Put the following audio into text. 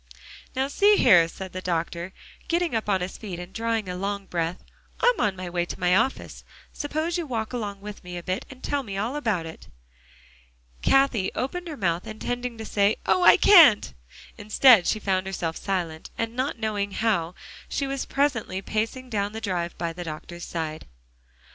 "Now see here," said the doctor, getting up on his feet and drawing a long breath. "I'm on my way to my office; suppose you walk along with me a bit and tell me all about it." Cathie opened her mouth, intending to say, "Oh! I can't" instead, she found herself silent, and not knowing how, she was presently pacing down the drive by the doctor's side.